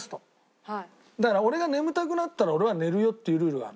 だから俺が眠たくなったら俺は寝るよっていうルールがある。